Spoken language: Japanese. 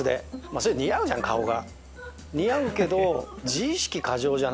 そりゃ似合うじゃん顔が。